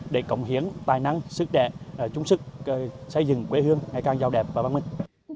để cộng hiến tài năng sức đẹp chung sức xây dựng quê hương ngày càng giàu đẹp và văn minh